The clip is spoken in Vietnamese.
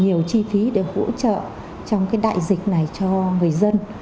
nhiều chi phí để hỗ trợ trong cái đại dịch này cho người dân